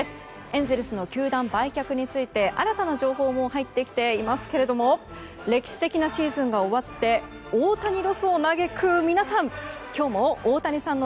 エンゼルスの球団売却について新たな情報も入ってきていますけども歴史的なシーズンが終わって大谷ロスを嘆く皆さん！